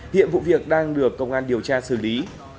hiện vụ việc đang được công an điều tra xử lý